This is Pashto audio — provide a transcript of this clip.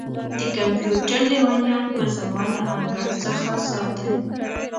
او د کمپیوټر لیونیان به زما له انګړ څخه ساتئ